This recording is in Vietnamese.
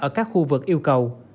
ở các khu vực yêu cầu